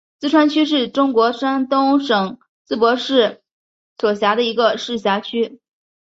淄川区是中国山东省淄博市所辖的一个市辖区。